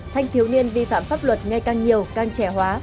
thanh thiếu niên vi phạm pháp luật ngày càng nhiều càng trẻ hóa